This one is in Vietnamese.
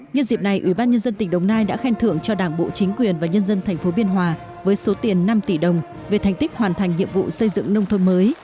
nhân dịp này ủy ban nhân dân tỉnh đồng nai đã khen thưởng cho đảng bộ chính quyền và nhân dân tp biên hòa với số tiền năm tỷ đồng về thành tích hoàn thành nhiệm vụ xây dựng nông thôn mới